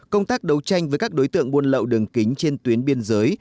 công tác đấu tranh với các đối tượng buôn lậu đường kính trên tuyến biên giới